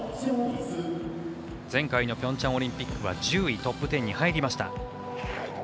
前回のピョンチャンオリンピック１０位トップ１０に入りました。